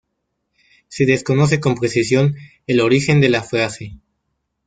Se desconoce con precisión el origen de la frase.